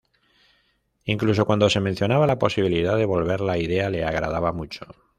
Incluso cuando se mencionaba la posibilidad de volver la idea le agradaba mucho.